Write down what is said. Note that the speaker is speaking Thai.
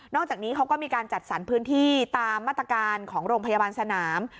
อกจากนี้เขาก็มีการจัดสรรพื้นที่ตามมาตรการของโรงพยาบาลสนาม